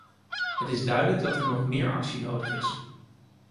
Het is duidelijk dat er nog meer actie nodig is.